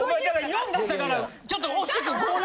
「４」出したからちょっと惜しく「５」に。